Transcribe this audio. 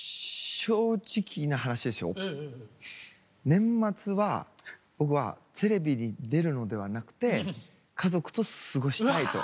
年末は僕はテレビに出るのではなくて家族と過ごしたいと。